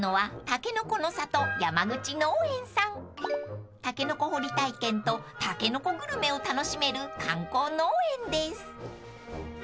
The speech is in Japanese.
［タケノコ掘り体験とタケノコグルメを楽しめる観光農園です］